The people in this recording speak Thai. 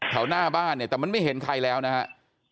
แถวหน้าบ้านแต่มันไม่เห็นใครแล้วนะครับ